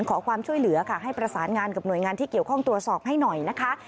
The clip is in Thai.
ขอความช่วยเหลือค่ะให้ประสานงานกับหน่วยงานที่เกี่ยวข้องตรวจสอบให้หน่อยนะคะ